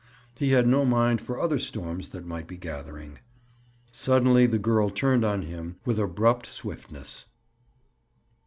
He had no mind for other storms that might be gathering. Suddenly the girl turned on him with abrupt swiftness.